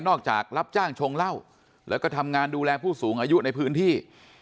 ออกจากรับจ้างชงเหล้าแล้วก็ทำงานดูแลผู้สูงอายุในพื้นที่